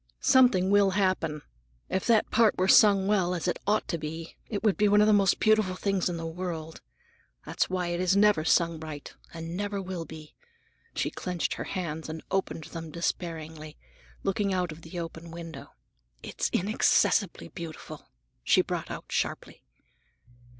Something will happen. If that part were sung well, as well as it ought to be, it would be one of the most beautiful things in the world. That's why it never is sung right, and never will be." She clenched her hands and opened them despairingly, looking out of the open window. "It's inaccessibly beautiful!" she brought out sharply.